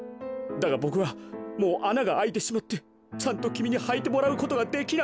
だがボクはもうあながあいてしまってちゃんときみにはいてもらうことができないんだ。